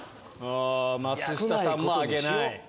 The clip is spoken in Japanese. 松下さんも挙げない。